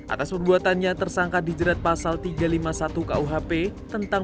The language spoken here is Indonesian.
atas perbuatannya tersangka dijerat pasal tiga ratus lima puluh satu kuhp tentang